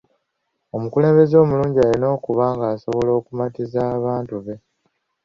Omukulembeze omulungi alina okuba ng'asobola okumatiza abantu be.